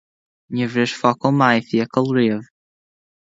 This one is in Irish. Níor bhris focal maith fiacail riamh